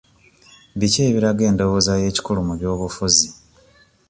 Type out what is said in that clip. Biki ebiraga endowooza y'ekikulu mu by'obufuzi?